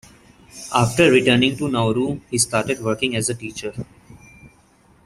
After returning to Nauru, he started working as a teacher.